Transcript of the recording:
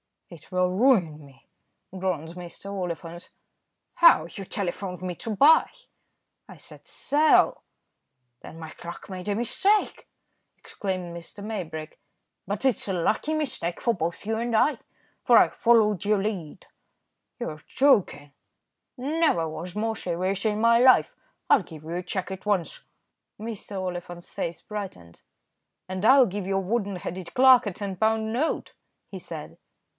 "It will ruin me," groaned Oliphant. "How? you telephoned me to buy." "I said 'sell.'" "Then my clerk made a mistake," exclaimed Maybrick; "but it's a lucky mistake for both you and I, for I followed your lead." "You're joking!" "Never was more serious in my life. I'll give you a cheque at once." Mr. Oliphant's face brightened. "And I'll give your wooden headed clerk a ten pound note," he said.